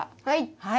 はい！